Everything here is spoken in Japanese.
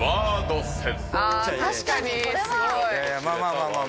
確かにすごい。